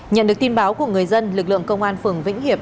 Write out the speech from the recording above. nhận được tin báo của người dân lực lượng công an phường vĩnh hiệp